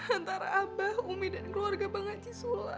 antara abah umi dan keluarga bang haji sula